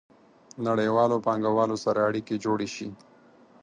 نړیوالو پانګوالو سره اړیکې جوړې شي.